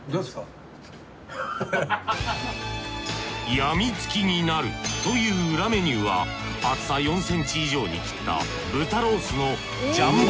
やみつきになるという裏メニューは厚さ４センチ以上に切った豚ロースのジャンボ